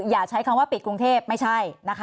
อย่าใช้คำว่าปิดกรุงเทพไม่ใช่นะคะ